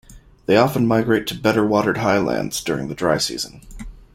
They often migrate to better watered highlands during the dry season.